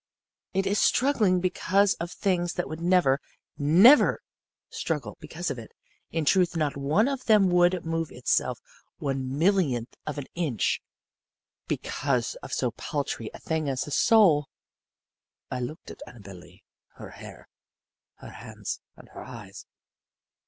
It is struggling because of things that would never, never struggle because of it. In truth, not one of them would move itself one millionth of an inch because of so paltry a thing as a soul." I looked at Annabel Lee, her hair, her hands and her eyes.